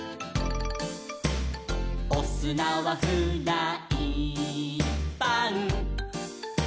「おすなはフライパン」